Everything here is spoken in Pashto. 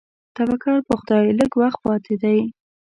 توکل په خدای لږ وخت پاتې دی.